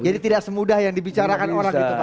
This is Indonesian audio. jadi tidak semudah yang dibicarakan orang